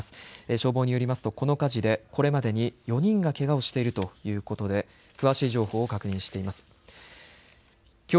消防によりますとこの火事でこれまでに４人がけがをしているということで詳しい状況を確認しています。